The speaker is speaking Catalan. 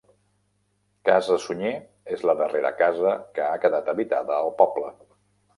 Casa Sunyer és la darrera casa que ha quedat habitada al poble.